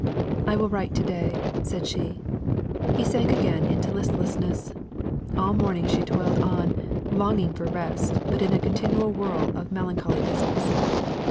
"I will write to day," said she. He sank again into listlessness. All morning she toiled on, longing for rest, but in a continual whirl of melancholy business.